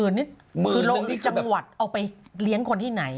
๑๐๐๐นี่คือจังหวัดเอาไปเลี้ยงคนที่ไหน